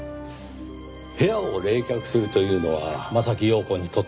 部屋を冷却するというのは柾庸子にとって苦肉の策。